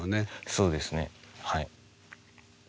そうですねはい。